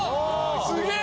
すげえ！